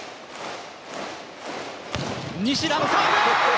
西田のサーブ！